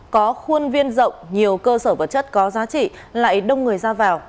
có khuôn viên rộng nhiều cơ sở vật chất có giá trị lại đông người ra vào